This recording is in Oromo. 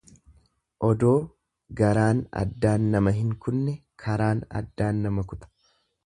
Odoo garaan addaan nama hin kunne karaan addaan nama kuta.